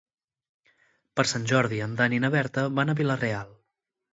Per Sant Jordi en Dan i na Berta van a Vila-real.